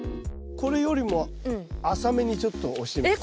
これよりも浅めにちょっと押して。